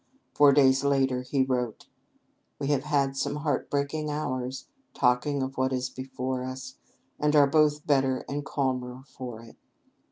Four days later he wrote: "We have had some heart breaking hours, talking of what is before us, and are both better and calmer for it."